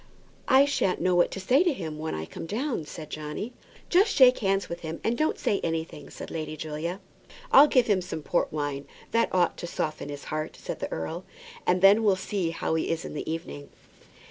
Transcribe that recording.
"I shan't know what to say to him when I come down," said Johnny. "Just shake hands with him and don't say anything," said Lady Julia. "I'll give him some port wine that ought to soften his heart," said the earl, "and then we'll see how he is in the evening."